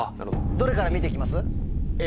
どれから見て行きます？